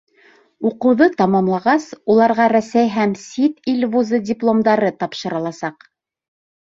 Уҡыуҙы тамамлағас, уларға Рәсәй һәм сит ил вузы дипломдары тапшырыласаҡ.